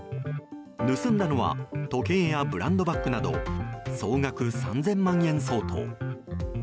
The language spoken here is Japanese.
盗んだのは時計やブランドバッグなど総額３０００万円相当。